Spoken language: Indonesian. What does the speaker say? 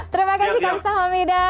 terima kasih kang samomida